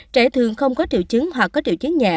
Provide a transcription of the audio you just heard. trẻ thường không có triệu chứng hoặc có triệu chứng nhẹ